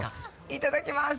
いただきます。